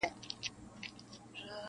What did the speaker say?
چاویل تریخ دی عجب خوږ دغه اواز دی-